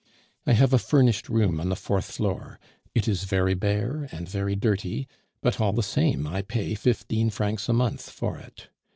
I have a furnished room on the fourth floor; it is very bare and very dirty, but, all the same, I pay fifteen francs a month for it.